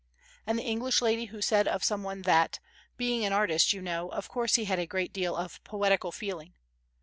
And the English lady who said of some one that "being an artist, you know, of course he had a great deal of poetical feeling."